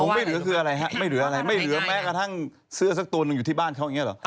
ไม่เหลือแม้กระทั่งเสื้อสักตัวนึงอยู่ที่บ้านเขาอย่างนี้เหรอ